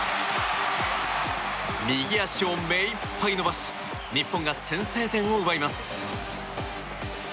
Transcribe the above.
右足を目いっぱい伸ばし日本が先制点を奪います。